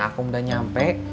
selamat pagi kak